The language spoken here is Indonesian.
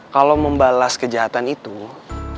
kalau membalas kejahatan itu harus dengan kebaikan